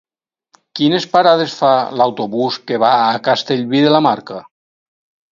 Quines parades fa l'autobús que va a Castellví de la Marca?